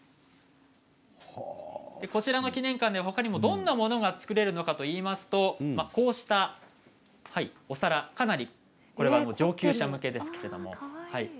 こちらの記念館で、ほかにどんなものが作れるかといいますとこうしたお皿これは上級者向けですけれども。